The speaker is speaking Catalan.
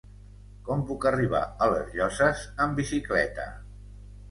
Com puc arribar a les Llosses amb bicicleta?